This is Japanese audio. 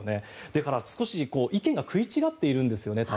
だから、少し意見が食い違っているんですよね。